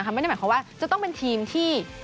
ไม่ได้หมายความว่าจะต้องเป็นทีมที่